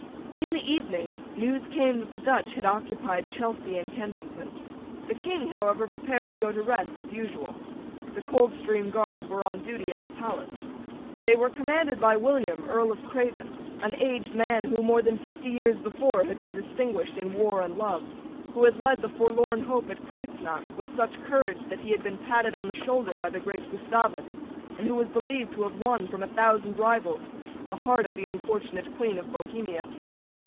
In the evening news came that the Dutch had occupied Chelsea and Kensington. The King, however, prepared to go to rest as usual. The Coldstream Guards were on duty at the palace. They were commanded by William Earl of Craven, an aged man who, more than fifty years before, had been distinguished in war and love, who had led the forlorn hope at Creutznach with such courage that he had been patted on the shoulder by the great Gustavus, and who was believed to have won from a thousand rivals the heart of the unfortunate Queen of Bohemia.